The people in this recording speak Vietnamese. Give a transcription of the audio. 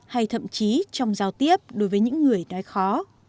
hay thậm chí trong giao tiếp đối với những người đói khó